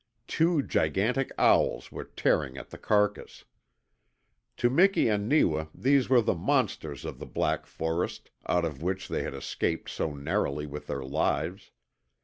Two gigantic owls were tearing at the carcass. To Miki and Neewa these were the monsters of the black forest out of which they had escaped so narrowly with their lives.